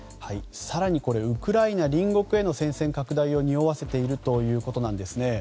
更にウクライナ隣国への戦線拡大をにおわせているということなんですね。